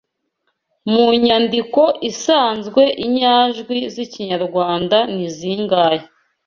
Mu nyandikoisanzwe inyajwi z’Ikinyarwanda ni zingahe